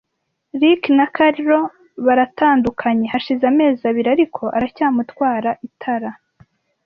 Rick na Carol baratandukanye hashize amezi abiri, ariko aracyamutwara itara.